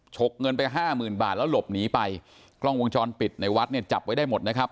กเงินไปห้าหมื่นบาทแล้วหลบหนีไปกล้องวงจรปิดในวัดเนี่ยจับไว้ได้หมดนะครับ